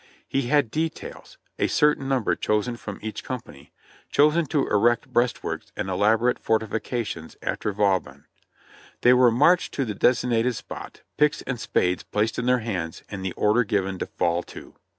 He had details — a certain number chosen from each company — chosen to erect breastworks and elaborate forti fications after Vauban. They were marched to the designated spot, picks and spades placed in their hands, and the order given to fall to.